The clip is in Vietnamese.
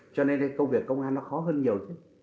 cho nên công việc công an nó khó hơn nhiều chứ